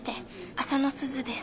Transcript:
浅野すずです。